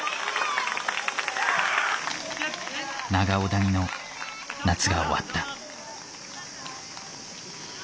長尾谷の夏が終わった。